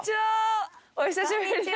お久しぶりです！